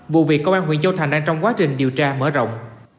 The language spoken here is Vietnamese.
vụ việc công an huyện châu thành đang trong quá trình điều tra mở rộng